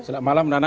selamat malam nana